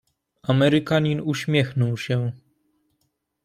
"Amerykanin uśmiechnął się."